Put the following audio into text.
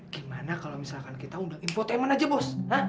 gimana kalau misalkan kita udah infotainment aja bos